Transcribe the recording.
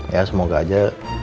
ya semoga aja